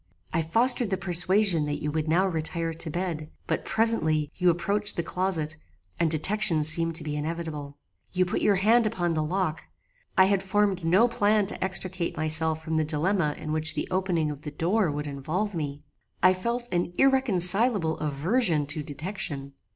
I fostered the persuasion that you would now retire to bed; but presently you approached the closet, and detection seemed to be inevitable. You put your hand upon the lock. I had formed no plan to extricate myself from the dilemma in which the opening of the door would involve me. I felt an irreconcilable aversion to detection.